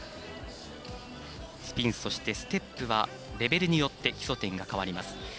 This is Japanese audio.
スピンそしてステップはレベルによって基礎点が変わります。